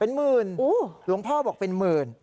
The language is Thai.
เป็นหมื่นหลวงพ่อบอกเป็นหมื่น